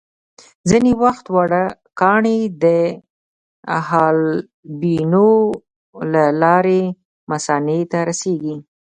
ځینې وخت واړه کاڼي د حالبینو له لارې مثانې ته رسېږي.